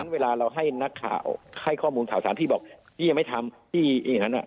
เวลาเราให้ข้อมูลข่าวสารพี่บอกพี่ยังไม่ทำพี่ยังงั้นน่ะ